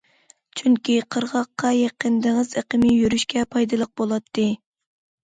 چۈنكى، قىرغاققا يېقىن دېڭىز ئېقىمى يۈرۈشكە پايدىلىق بولاتتى.